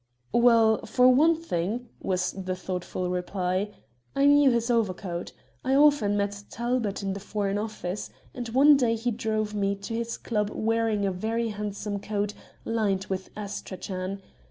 "Well, for one thing," was the thoughtful reply, "I knew his overcoat. I often met Talbot in the Foreign Office, and one day he drove me to his club wearing a very handsome coat lined with astrachan.